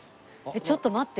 ちょっと待って。